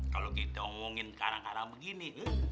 kalau kita omongin karang karang begini